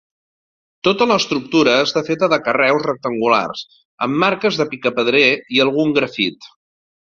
Tota l'estructura està feta de carreus rectangulars, amb marques de picapedrer i algun grafit.